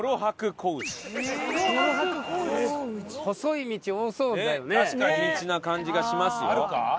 小道な感じがしますよ。